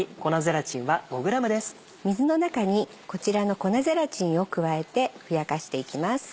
水の中にこちらの粉ゼラチンを加えてふやかしていきます。